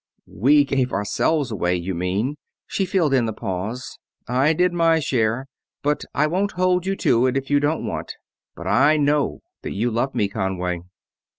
"We gave ourselves away, you mean," she filled in the pause. "I did my share, but I won't hold you to it if you don't want but I know that you love me, Conway!"